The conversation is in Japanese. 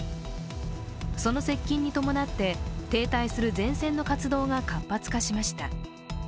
その接近に伴って停滞する前線の活動が活発化しました。